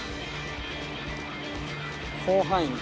広範囲に！